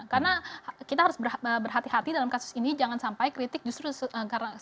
karena kita harus berhati hati dalam kasus ini jangan sampai kritik justru karena